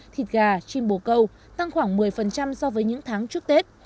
thịt gà chim bồ câu tăng khoảng một mươi so với những tháng trước tết